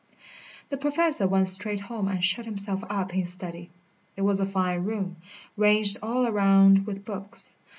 The Professor went straight home and shut himself up in his study. It was a fine room, ranged all round with books.